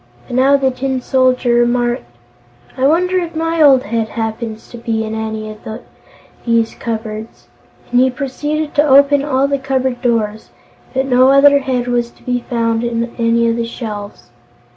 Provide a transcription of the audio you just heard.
But now the Tin Soldier remarked: "I wonder if my old head happens to be in any of these cupboards," and he proceeded to open all the cupboard doors. But no other head was to be found on any of the shelves.